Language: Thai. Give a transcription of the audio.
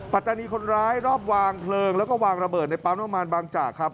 ปัตตานีคนร้ายรอบวางเพลิงแล้วก็วางระเบิดในปั๊มน้ำมันบางจากครับ